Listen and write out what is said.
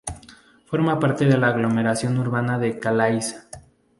Forma parte de la aglomeración urbana de Calais.